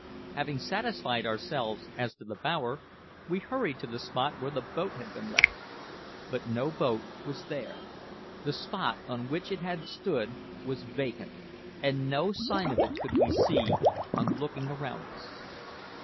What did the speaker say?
Having satisfied ourselves as to the bower, we hurried to the spot where the boat had been left; but no boat was there. The spot on which it had stood was vacant, and no sign of it could we see on looking around us.